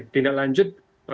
tapi tadi tindak lanjut